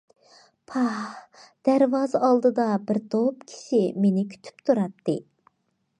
پاھ، دەرۋازا ئالدىدا بىر توپ كىشى مېنى كۈتۈپ تۇراتتى.